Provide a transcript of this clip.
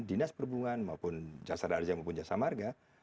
dinas perhubungan maupun jasa raja maupun jasa marga